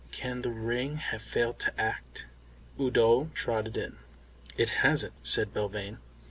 "Can the ring have failed to act?" Udo trotted in. "It hasn't," said Belvane.